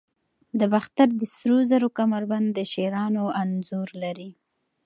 د باختر د سرو زرو کمربند د شیرانو انځور لري